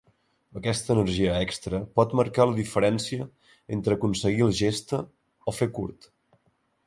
Aquesta energia extra pot marcar la diferència entre aconseguir la gesta o fer curt.